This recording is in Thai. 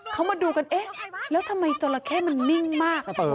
เขามาดูกันเอ๊ะแล้วทำไมจราเข้มันนิ่งมาก